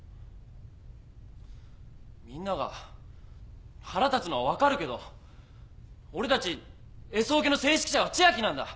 みんなが腹立つのは分かるけど俺たちＳオケの正指揮者は千秋なんだ！